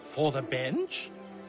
ベンチの？